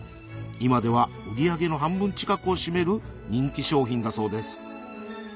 今では売り上げの半分近くを占める人気商品だそうです